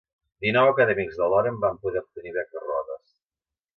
Dinou acadèmics de Loran van poder obtenir beques Rhodes.